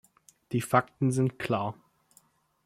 Die Fakten sind klar.